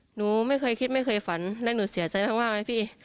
หนูไม่เคยคิดไม่เคยฝันและหนูเสียใจมากไหมพี่